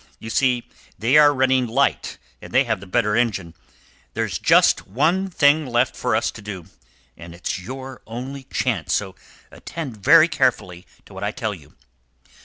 You see, they are running light, and they have the better engine. There's just one thing left for us to do, and it's your only chance, so attend very carefully to what I tell you.